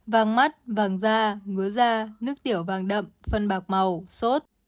vàng mắt vàng da ngứa da nước tiểu vàng đậm phân bạc màu sốt